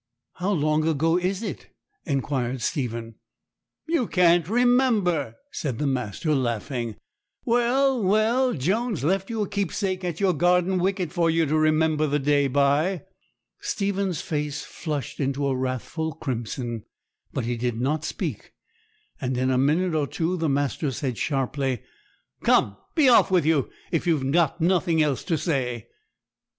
'How long ago is it?' inquired Stephen. 'You can't remember!' said the master, laughing: 'well, well, Jones left you a keepsake at your garden wicket for you to remember the day by.' Stephen's face flushed into a wrathful crimson, but he did not speak; and in a minute or two the master said sharply, 'Come, be off with you, if you've got nothing else to say.'